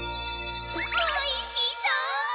おいしそう！